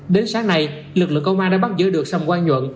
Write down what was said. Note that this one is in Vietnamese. đến sáng nay lực lượng công an đã bắt giữ được sâm quang nhuận